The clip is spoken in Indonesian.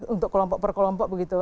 untuk kelompok per kelompok begitu